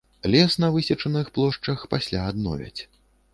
Лес на высечаных плошчах пасля адновяць.